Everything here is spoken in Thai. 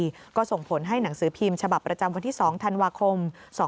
แล้วก็ส่งผลให้หนังสือพิมพ์ฉบับประจำวันที่๒ธันวาคม๒๕๖๒